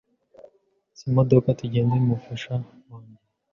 Atsa imodoka tugende mufasha wanjye